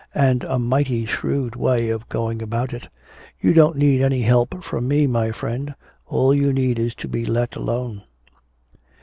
And a mighty shrewd way of going about it. You don't need any help from me, my friend; all you need is to be let alone."